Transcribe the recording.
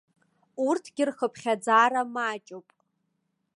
Урҭгьы рхыԥхьаӡара маҷуп.